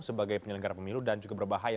sebagai penyelenggara pemilu dan juga berbahaya